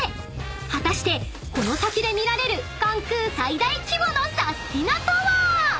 果たしてこの先で見られる関空最大規模のサスティな！とは⁉］